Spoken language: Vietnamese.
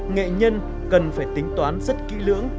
nghệ nhân cần phải tính toán rất kỹ lưỡng